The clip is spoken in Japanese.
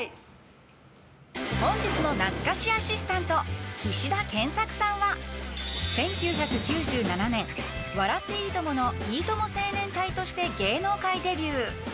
本日の懐かしアシスタント岸田健作さんは１９９７年「笑っていいとも！」のいいとも青年隊として芸能界デビュー。